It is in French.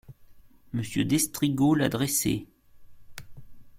Monsieur d'Estrigaud l'a dressée.